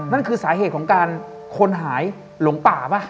นั่นคือสาเหตุของการคนหายหลงป่าป่ะ